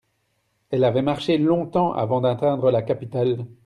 elles avaient marché longtemps avant d'atteindre la capitale.